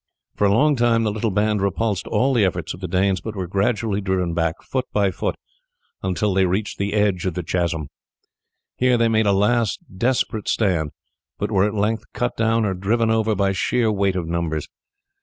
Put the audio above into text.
For a long time the little band repulsed all the efforts of the Danes, but were gradually driven back foot by foot until they reached the edge of the chasm. Here they made a last desperate stand, but were at length cut down or driven over by sheer weight of numbers.